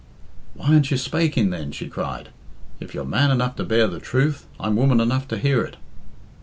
"Why aren't you spaking, then?" she cried. "If you're man enough to bear the truth, I'm woman enough to hear it."